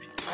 あ！